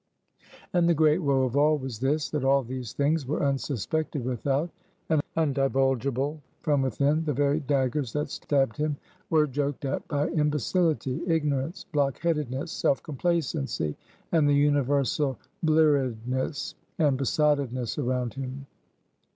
And the great woe of all was this: that all these things were unsuspected without, and undivulgible from within; the very daggers that stabbed him were joked at by Imbecility, Ignorance, Blockheadedness, Self Complacency, and the universal Blearedness and Besottedness around him.